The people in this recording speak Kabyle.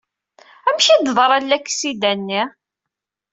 Amek i d-teḍra laksida-nni?